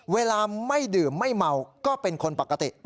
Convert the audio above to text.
เวลาไม่ดื่มไม่เมาก็เป็นคนปกติ